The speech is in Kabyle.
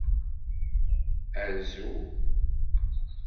Azu.